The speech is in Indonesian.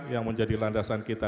yang menjadi landasan kita